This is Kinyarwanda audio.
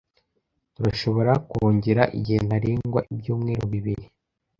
Turashobora kongera igihe ntarengwa ibyumweru bibiri?